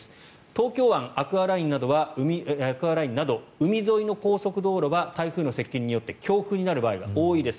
東京湾アクアラインなど海沿いの高速道路は台風の接近によって強風になる場合が多いです